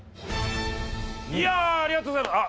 いやあ！ありがとうございます！あっ！